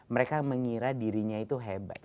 mereka mengira dirinya itu hebat